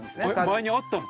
前にあったの？